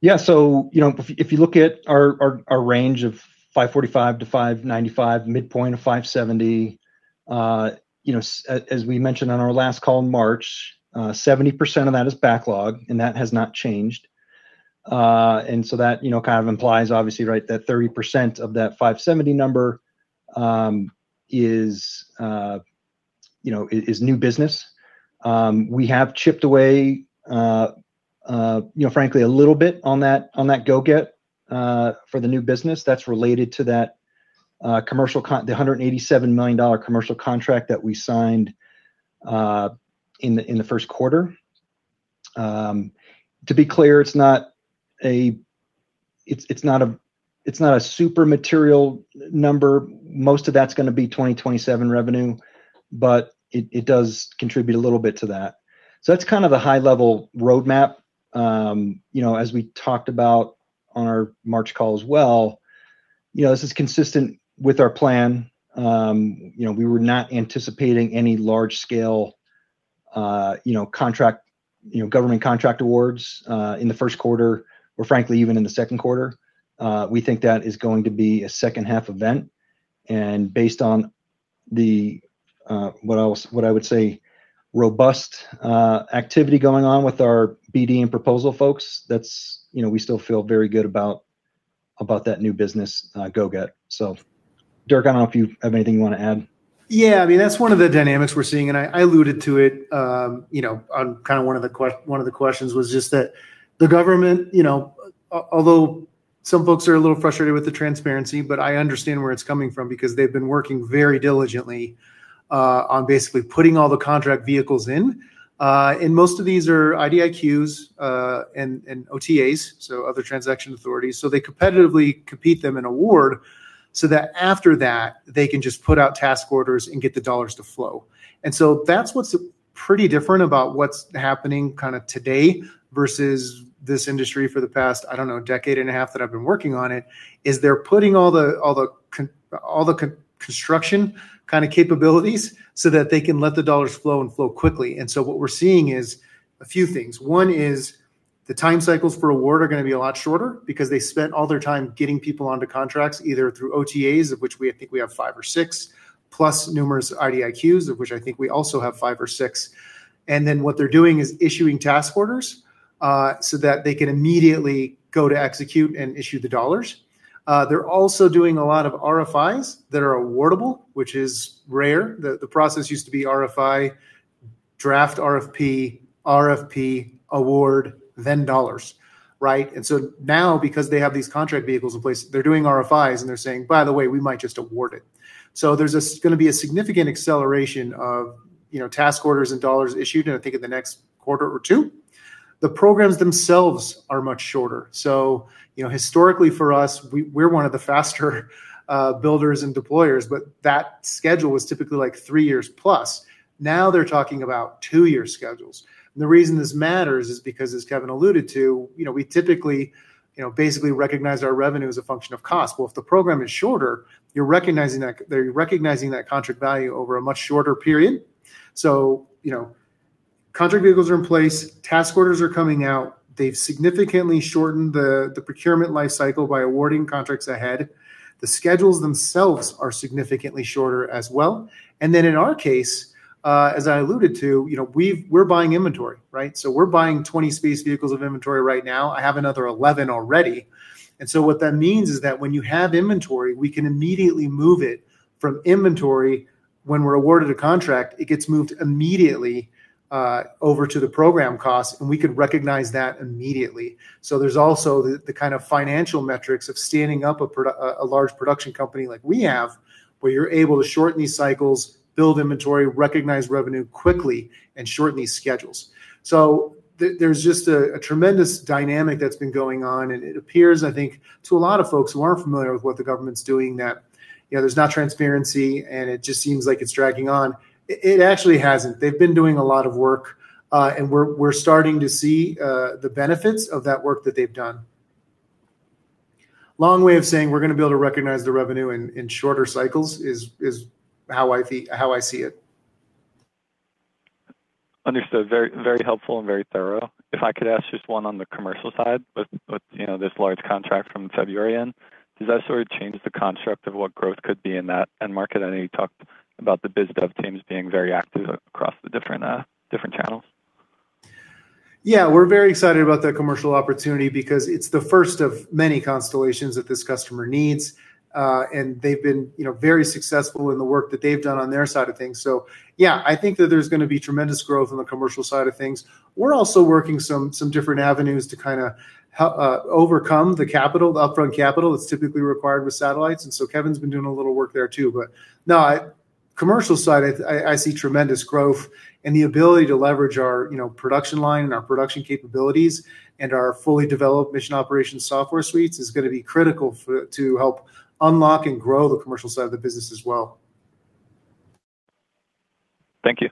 You know, if you look at our range of $545 million to $595 million, midpoint of $570 million, you know, as we mentioned on our last call in March, 70% of that is backlog. That has not changed. That, you know, kind of implies obviously, right, that 30% of that $570 million number is, you know, new business. We have chipped away, you know, frankly a little bit on that go-get for the new business that's related to that commercial contract, the $187 million commercial contract that we signed in the Q1. To be clear, it's not a super material number. Most of that's gonna be 2027 revenue, but it does contribute a little bit to that. That's kind of the high level roadmap. you know, as we talked about on our March call as well, you know, this is consistent with our plan. you know, we were not anticipating any large scale, you know, contract, you know, government contract awards in the first quarter, or frankly, even in the second quarter. We think that is going to be a second half event, and based on the what I would say, robust activity going on with our BD and proposal folks, that's, you know, we still feel very good about that new business go-get. Dirk, I don't know if you have anything you wanna add. Yeah, I mean, that's one of the dynamics we're seeing, and I alluded to it, you know, on kind of one of the questions, was just that the government, you know, although some folks are a little frustrated with the transparency, but I understand where it's coming from because they've been working very diligently on basically putting all the contract vehicles in. Most of these are IDIQs and OTAs, so other transaction authorities. They competitively compete them an award so that after that, they can just put out task orders and get the dollars to flow. That's what's pretty different about what's happening kind of today versus this industry for the past, I don't know, decade and a half that I've been working on it, is they're putting all the construction kind of capabilities so that they can let the dollars flow and flow quickly. What we're seeing is a few things. One is the time cycles for award are gonna be a lot shorter because they spent all their time getting people onto contracts, either through OTAs, of which we, I think we have 5 or 6 plus numerous IDIQs, of which I think we also have 5 or 6. What they're doing is issuing task orders so that they can immediately go to execute and issue the dollars. They're also doing a lot of RFIs that are awardable, which is rare. The process used to be RFI, draft RFP, award, then dollars, right? Now because they have these contract vehicles in place, they're doing RFIs and they're saying, "By the way, we might just award it." There's a significant acceleration of, you know, task orders and dollars issued, and I think in the next quarter or two. The programs themselves are much shorter. You know, historically for us, we're 1 of the faster builders and deployers, but that schedule was typically like 3 years plus. Now they're talking about 2-year schedules. The reason this matters is because, as Kevin alluded to, you know, we typically, you know, basically recognize our revenue as a function of cost. If the program is shorter, you're recognizing that, they're recognizing that contract value over a much shorter period. You know, contract vehicles are in place. Task orders are coming out. They've significantly shortened the procurement life cycle by awarding contracts ahead. The schedules themselves are significantly shorter as well. In our case, as I alluded to, you know, we're buying inventory, right? We're buying 20 space vehicles of inventory right now. I have another 11 already. What that means is that when you have inventory, we can immediately move it from inventory. When we're awarded a contract, it gets moved immediately over to the program costs, and we can recognize that immediately. There's also the kind of financial metrics of standing up a large production company like we have, where you're able to shorten these cycles, build inventory, recognize revenue quickly, and shorten these schedules. There's just a tremendous dynamic that's been going on, and it appears, I think, to a lot of folks who aren't familiar with what the government's doing, that, you know, there's not transparency and it just seems like it's dragging on. It actually hasn't. They've been doing a lot of work, and we're starting to see the benefits of that work that they've done. Long way of saying we're gonna be able to recognize the revenue in shorter cycles is how I see it. Understood. Very, very helpful and very thorough. If I could ask just one on the commercial side with, you know, this large contract from February end. Does that sort of change the construct of what growth could be in that end market? I know you talked about the biz dev teams being very active across the different channels. We're very excited about that commercial opportunity because it's the first of many constellations that this customer needs. They've been, you know, very successful in the work that they've done on their side of things. I think that there's gonna be tremendous growth on the commercial side of things. We're also working some different avenues to overcome the capital, the upfront capital that's typically required with satellites, Kevin's been doing a little work there too. Commercial side, I see tremendous growth and the ability to leverage our, you know, production line and our production capabilities and our fully developed mission operations software suites is gonna be critical to help unlock and grow the commercial side of the business as well. Thank you.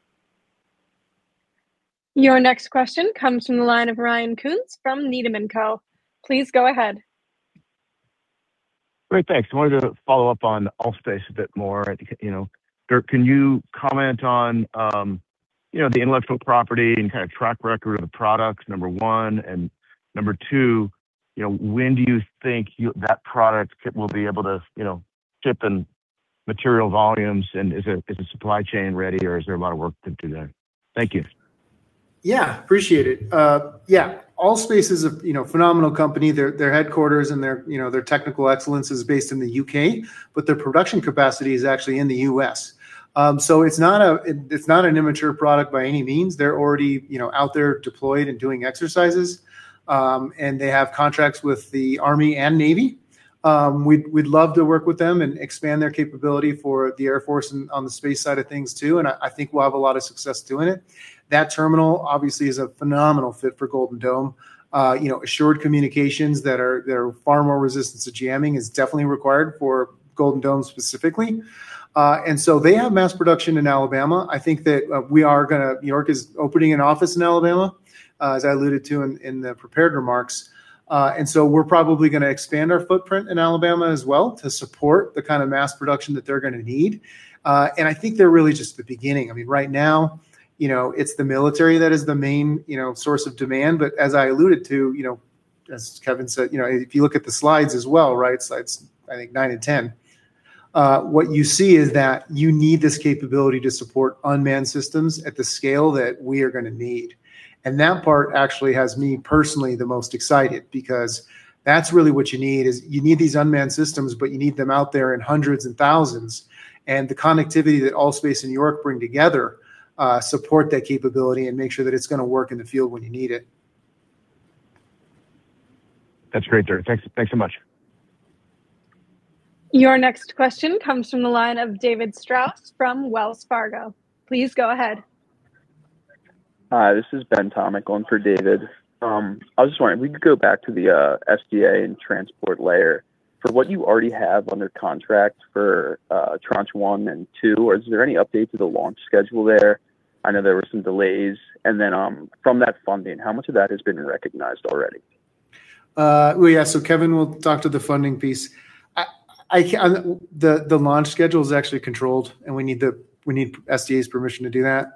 Your next question comes from the line of Ryan Koontz from Needham & Company. Please go ahead. Great. Thanks. I wanted to follow up on ALL.SPACE a bit more. I think, you know, Dirk, can you comment on, you know, the intellectual property and kind of track record of the products, number one. Number two, you know, when do you think that product will be able to, you know, ship in material volumes, and is the supply chain ready or is there a lot of work to do there? Thank you. Yeah, ALL.SPACE is a, you know, phenomenal company. Their headquarters and their, you know, their technical excellence is based in the U.K., but their production capacity is actually in the U.S. It's not an immature product by any means. They're already, you know, out there deployed and doing exercises. They have contracts with the U.S. Army and U.S. Navy. We'd love to work with them and expand their capability for the U.S. Air Force on the space side of things too, and I think we'll have a lot of success doing it. That terminal obviously is a phenomenal fit for Golden Dome. You know, assured communications that are far more resistant to jamming is definitely required for Golden Dome specifically. They have mass production in Alabama. I think that we are gonna York is opening an office in Alabama, as I alluded to in the prepared remarks. We're probably gonna expand our footprint in Alabama as well to support the kind of mass production that they're gonna need. I think they're really just the beginning. I mean, right now, you know, it's the military that is the main, you know, source of demand. As I alluded to, you know, as Kevin said, you know, if you look at the slides as well, right, slides I think 9 and 10, what you see is that you need this capability to support unmanned systems at the scale that we are gonna need. That part actually has me personally the most excited because that's really what you need, is you need these unmanned systems, but you need them out there in hundreds and thousands. The connectivity that ALL.SPACE and York bring together, support that capability and make sure that it's gonna work in the field when you need it. That's great, Dirk. Thanks so much. Your next question comes from the line of David Strauss from Wells Fargo. Please go ahead. Hi, this is Ben Tomik calling for David. I was just wondering if we could go back to the SDA and Transport Layer. For what you already have under contract for Tranche 1 and Tranche 2, is there any update to the launch schedule there? I know there were some delays. Then, from that funding, how much of that has been recognized already? Oh, yeah. Kevin will talk to the funding piece. The launch schedule's actually controlled, and we need SDA's permission to do that.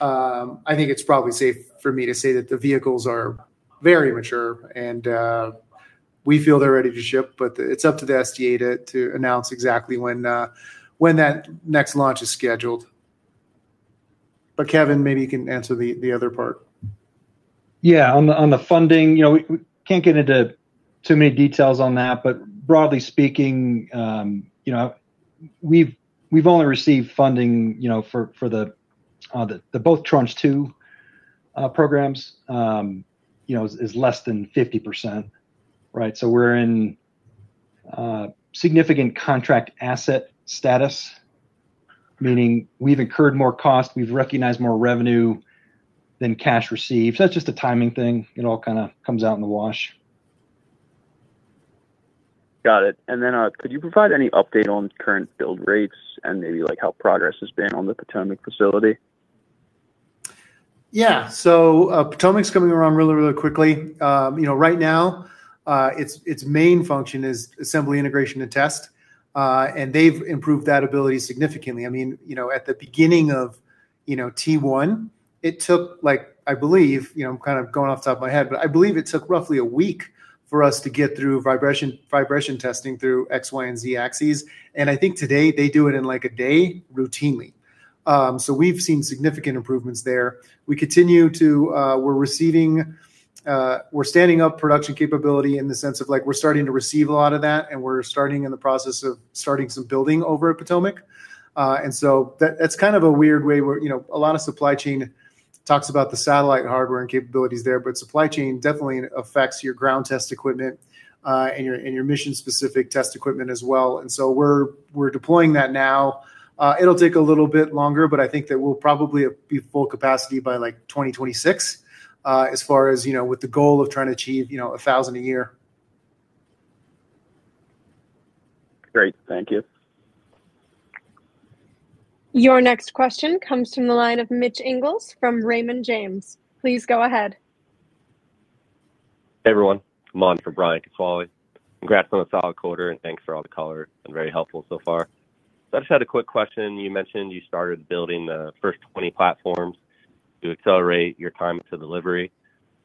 I think it's probably safe for me to say that the vehicles are very mature and we feel they're ready to ship, but it's up to the SDA to announce exactly when that next launch is scheduled. Kevin, maybe you can answer the other part. Yeah. On the funding, you know, we can't get into too many details on that. Broadly speaking, you know, we've only received funding, you know, for the both Tranche Two programs, you know, is less than 50%, right? We're in a significant contract asset status, meaning we've incurred more cost, we've recognized more revenue than cash received. That's just a timing thing. It all kind of comes out in the wash. Got it. Could you provide any update on current build rates and maybe like how progress has been on the Potomac facility? Yeah. Potomac's coming around really, really quickly. You know, right now, its main function is assembly, integration, and test. They've improved that ability significantly. I mean, you know, at the beginning of, you know, Tranche 1, it took like, I believe, you know, I'm kind of going off the top of my head, but I believe it took roughly a week for us to get through vibration testing through X, Y, and Z axes, and I think today they do it in like a day routinely. We've seen significant improvements there. We're receiving, we're standing up production capability in the sense of like we're starting to receive a lot of that and we're starting in the process of starting some building over at Potomac. That's kind of a weird way where, you know, a lot of supply chain talks about the satellite hardware and capabilities there, but supply chain definitely affects your ground test equipment, and your, and your mission-specific test equipment as well. We're, we're deploying that now. It'll take a little bit longer, but I think that we'll probably be full capacity by like 2026, as far as, you know, with the goal of trying to achieve, you know, 1,000 a year. Great. Thank you. Your next question comes from the line of Mitch Ingles from Raymond James. Please go ahead. Hey, everyone. I'm on for Brian Gesuale. Congrats on a solid quarter and thanks for all the color. It's been very helpful so far. I just had a quick question. You mentioned you started building the first 20 platforms to accelerate your time to delivery.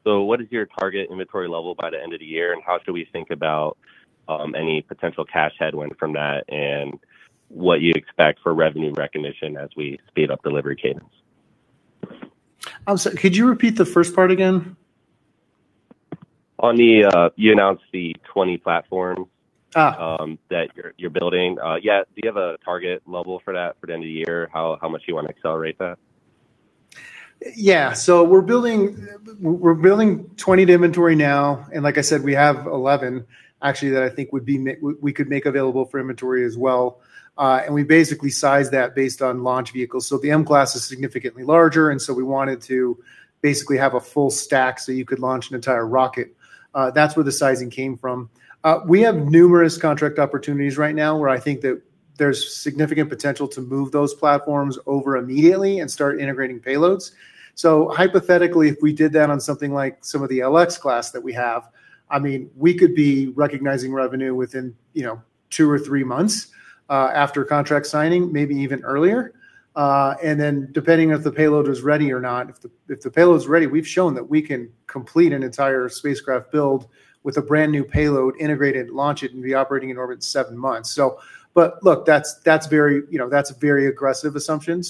What is your target inventory level by the end of the year, and how should we think about any potential cash headwind from that and what you expect for revenue recognition as we speed up delivery cadence? I'm sorry, could you repeat the first part again? On the, you announced the 20 platform. that you're building, do you have a target level for that for the end of the year? How much do you wanna accelerate that? We're building 20 to inventory now, and like I said, we have 11 actually that I think would be we could make available for inventory as well. We basically sized that based on launch vehicles. The M-CLASS is significantly larger, we wanted to basically have a full stack so you could launch an entire rocket. That's where the sizing came from. We have numerous contract opportunities right now where I think there's significant potential to move those platforms over immediately and start integrating payloads. Hypothetically, if we did that on something like some of the LX-CLASS that we have, I mean, we could be recognizing revenue within, you know, 2 or 3 months after contract signing, maybe even earlier. Depending if the payload was ready or not. If the payload's ready, we've shown that we can complete an entire spacecraft build with a brand new payload integrated, launch it, and be operating in orbit in 7 months. But look, that's very, you know, that's a very aggressive assumption.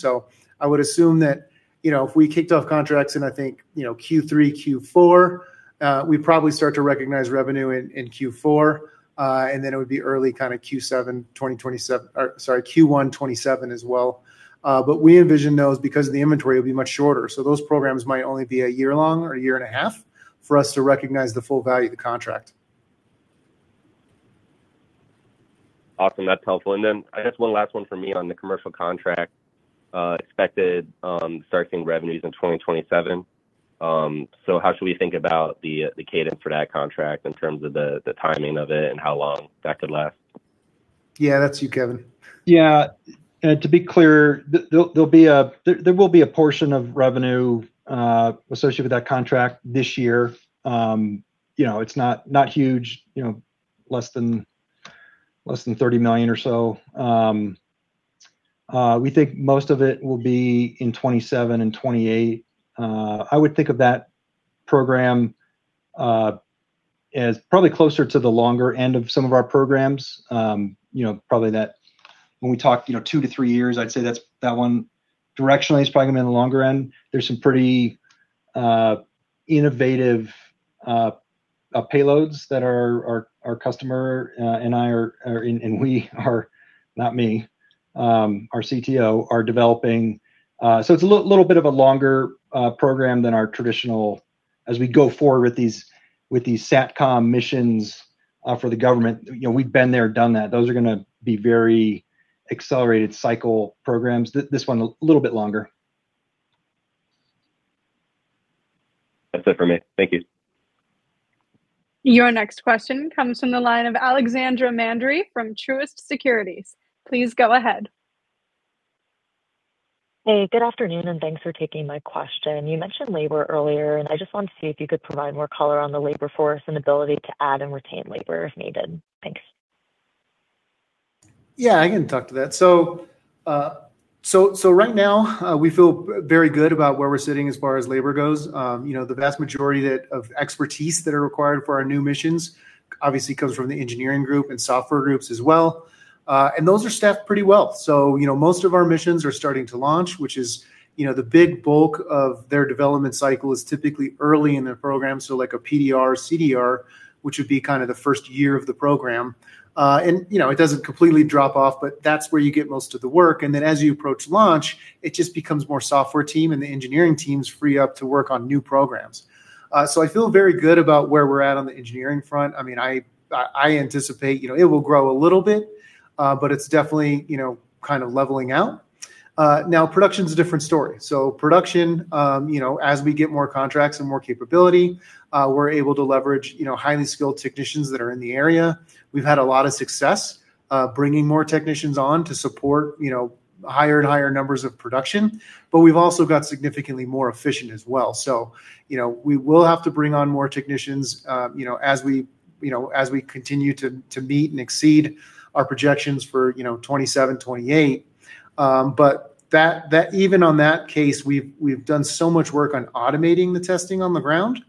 I would assume that, you know, if we kicked off contracts in I think, you know, Q3, Q4, we'd probably start to recognize revenue in Q4. It would be early kinda Q7, 2027 or, sorry, Q1 2027 as well. We envision those because the inventory will be much shorter. Those programs might only be a year long or a year and a half for us to recognize the full value of the contract. Awesome. That's helpful. I guess one last one from me on the commercial contract, expected on starting revenues in 2027. How should we think about the cadence for that contract in terms of the timing of it and how long that could last? Yeah, that's you, Kevin. Yeah. to be clear, there will be a portion of revenue associated with that contract this year. you know, it's not huge. You know, less than $30 million or so. we think most of it will be in 2027 and 2028. I would think of that program as probably closer to the longer end of some of our programs. you know, probably that when we talk, you know, 2 to 3 years, I'd say that one directionally is probably gonna be on the longer end. There's some pretty innovative payloads that our customer and our CTO are developing. It's a little bit of a longer program than our traditional as we go forward with these sat com missions for the government. You know, we've been there, done that. Those are gonna be very accelerated cycle programs. This one a little bit longer. That's it for me. Thank you. Your next question comes from the line of Alexandra Mandry from Truist Securities. Please go ahead. Hey, good afternoon, and thanks for taking my question. You mentioned labor earlier, and I just wanted to see if you could provide more color on the labor force and ability to add and retain labor if needed. Thanks. Yeah, I can talk to that. Right now, we feel very good about where we're sitting as far as labor goes. You know, the vast majority of expertise that are required for our new missions obviously comes from the engineering group and software groups as well. Those are staffed pretty well. You know, most of our missions are starting to launch, which is, you know, the big bulk of their development cycle is typically early in their program. Like a PDR, CDR, which would be kind of the first year of the program. You know, it doesn't completely drop off, but that's where you get most of the work. As you approach launch, it just becomes more software team and the engineering teams free up to work on new programs. I feel very good about where we're at on the engineering front. I mean, I anticipate, you know, it will grow a little bit. It's definitely, you know, kind of leveling out. Now production's a different story. Production, you know, as we get more contracts and more capability, we're able to leverage, you know, highly skilled technicians that are in the area. We've had a lot of success bringing more technicians on to support, you know, higher and higher numbers of production, but we've also got significantly more efficient as well. You know, we will have to bring on more technicians, you know, as we continue to meet and exceed our projections for, you know, 2027, 2028. Even on that case, we've done so much work on automating the testing on the ground,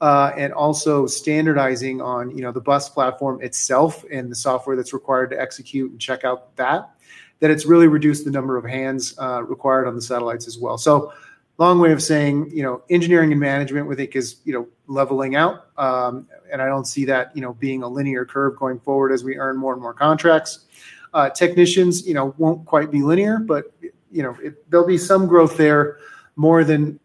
and also standardizing on, you know, the bus platform itself and the software that's required to execute and check out that it's really reduced the number of hands required on the satellites as well. Long way of saying, you know, engineering and management we think is, you know, leveling out. I don't see that, you know, being a linear curve going forward as we earn more and more contracts. Technicians, you know, won't quite be linear, there'll be some growth there, more than,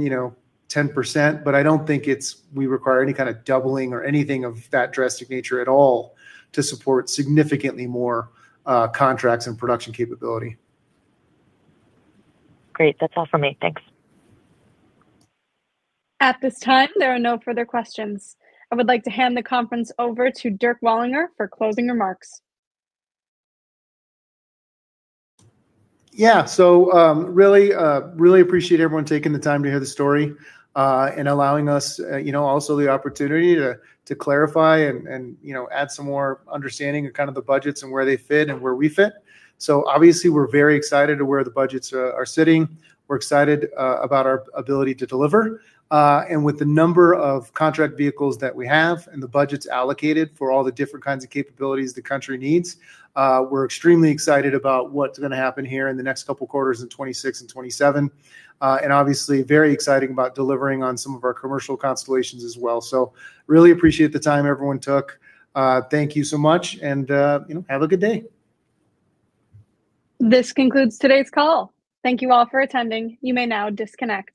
you know, 10%. I don't think it's, we require any kinda doubling or anything of that drastic nature at all to support significantly more contracts and production capability. Great. That's all for me. Thanks. At this time, there are no further questions. I would like to hand the conference over to Dirk Wallinger for closing remarks. Really appreciate everyone taking the time to hear the story and allowing us also the opportunity to clarify and add some more understanding of kinda the budgets and where they fit and where we fit. Obviously we're very excited at where the budgets are sitting. We're excited about our ability to deliver. With the number of contract vehicles that we have and the budgets allocated for all the different kinds of capabilities the country needs, we're extremely excited about what's gonna happen here in the next couple of quarters in 2026 and 2027. Obviously very excited about delivering on some of our commercial constellations as well. Really appreciate the time everyone took. Thank you so much, have a good day. This concludes today's call. Thank you all for attending. You may now disconnect.